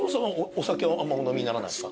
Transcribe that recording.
お酒はあんまお飲みにならないですか？